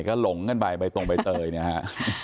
ก็หลงกันไปใบตรงใบเตยเนี่ยฮะ